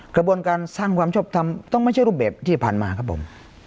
กระบวนการสร้างความชอบทำต้องไม่ใช่รูปแบบที่ผ่านมาครับผม